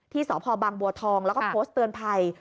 ที่สพบังบัวทองแล้วก็โพสต์เตือนภัย